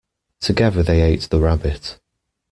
Together they ate the rabbit.